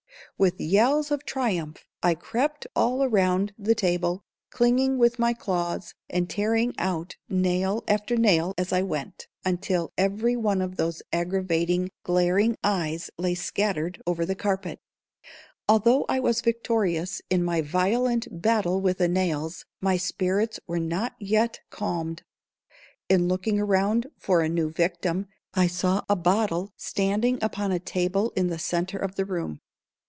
With yells of triumph I crept all around the table, clinging with my claws, and tearing out nail after nail as I went, until every one of those aggravating glaring eyes lay scattered over the carpet. Although I was victorious in my violent battle with the nails, my spirits were not yet calmed. In looking around for a new victim, I saw a bottle standing upon a table in the centre of the room.